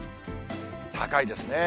高いですね。